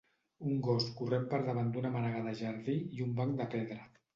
Un gos corrent per davant d'una mànega de jardí i un banc de pedra.